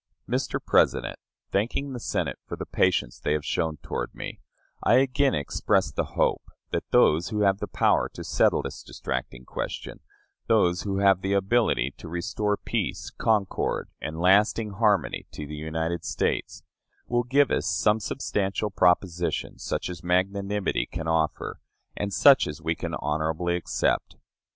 Mr. President, thanking the Senate for the patience they have shown toward me, I again express the hope that those who have the power to settle this distracting question those who have the ability to restore peace, concord, and lasting harmony to the United States will give us some substantial proposition, such as magnanimity can offer, and such as we can honorably accept.